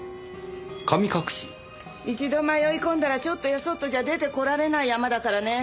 一度迷い込んだらちょっとやそっとじゃ出てこられない山だからね。